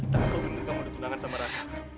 takut benar kamu ditunangan sama raka